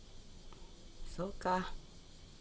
そうか。